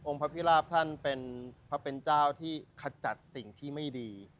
พระพิราบท่านเป็นพระเป็นเจ้าที่ขจัดสิ่งที่ไม่ดี